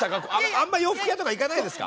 あんま洋服屋とか行かないですか？